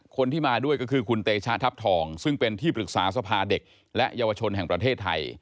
คนที่มาด้วยก็คือคุณเตชะทัพทองซึ่งเป็นที่ปรึกษาสภาเด็กและเยาวชนแห่งประเทศไทย